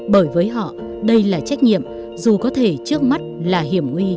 bởi với họ đây là trách nhiệm dù có thể trước mắt là hiểm nguy